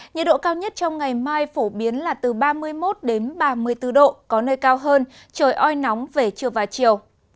nhiệt độ cao nhất trong ngày mai phổ biến là từ ba mươi một ba mươi bốn độ có nơi cao hơn trời oi nóng về trưa và chiều